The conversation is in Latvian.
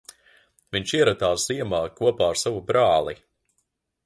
Viņš ieradās ziemā kopā ar savu brāli.